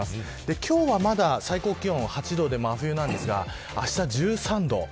今日はまだ最高気温８度で真冬なんですがあした、１３度。